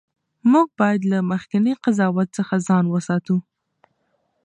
موږ باید له مخکني قضاوت څخه ځان وساتو.